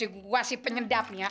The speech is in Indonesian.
gua si penyedap nih ya